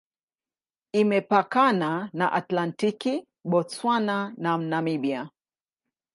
Imepakana na Atlantiki, Botswana na Namibia.